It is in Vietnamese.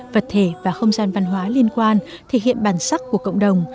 vật thể và không gian văn hóa liên quan thể hiện bản sắc của cộng đồng